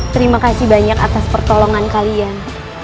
terima kasih banyak atas pertolongan kalian